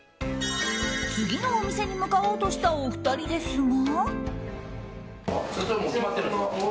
次のお店に向かおうとしたお二人ですが。